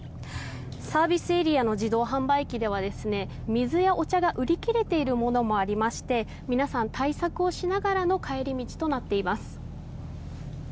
サービスエリアの自動販売機では水やお茶が売り切れているものもありまして皆さん、対策をしながらの帰り道となっています。